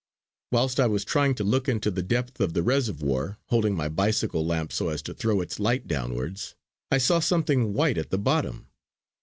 Whilst I was trying to look into the depth of the reservoir, holding my bicycle lamp so as to throw its light downwards, I saw something white at the bottom.